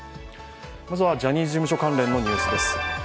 まずはジャニーズ事務所関連のニュースです。